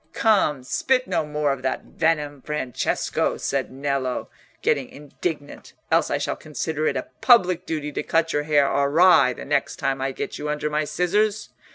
"Come, spit no more of that venom, Francesco," said Nello, getting indignant, "else I shall consider it a public duty to cut your hair awry the next time I get you under my scissors.